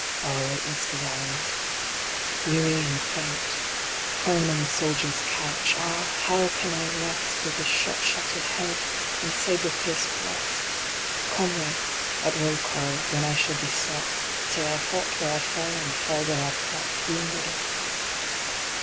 Oh, it was grand ! Weary and faint, Prone on the soldier s couch, ah ! how can I rest With this shot shattered head and sabre pierced breast ? Comrades, at roll call, when I shall be sought, Say I fought where I fell, and fell where I fought, Wounded and faint.